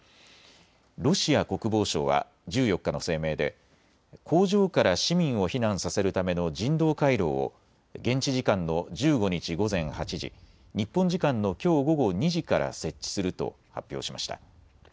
ロシア国防省は１４日の声明で工場から市民を避難させるための人道回廊を現地時間の１５日午前８時、日本時間のきょう午後２時から設置すると発表しました。